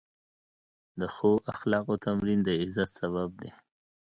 د ښو اخلاقو تمرین د عزت سبب دی.